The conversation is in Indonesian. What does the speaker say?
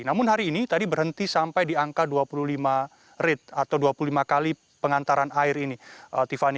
namun hari ini tadi berhenti sampai di angka dua puluh lima rate atau dua puluh lima kali pengantaran air ini tiffany